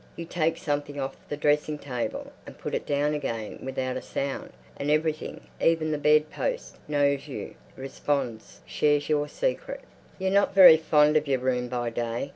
You take something off the dressing table and put it down again without a sound. And everything, even the bed post, knows you, responds, shares your secret.... You're not very fond of your room by day.